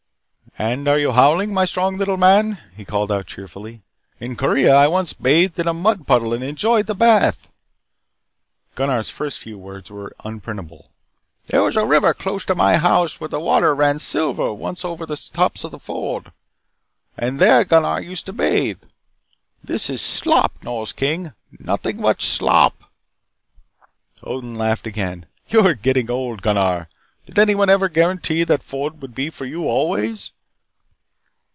"And are you howling, my strong little man?" he called out cheerfully. "In Korea I once bathed in a mud puddle and enjoyed the bath." Gunnar's first few words were unprintable. "There was a river close to my house where the water ran silver over the stones of the ford. And there Gunnar used to bathe. This is slop, Nors King. Nothing but slop." Odin laughed again. "You are getting old, Gunnar. Did anyone ever guarantee that ford to you for always?"